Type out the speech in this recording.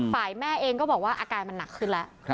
แม่เองก็บอกว่าอาการมันหนักขึ้นแล้ว